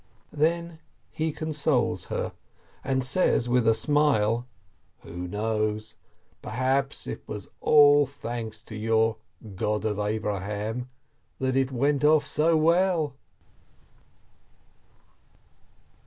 Then he consoles her, and says with a smile: "Who knows? Perhaps it was all thanks to your 'God of Abraham' that it went off so well."